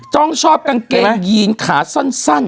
ต้องชอบกางเกงยีนขาสั้น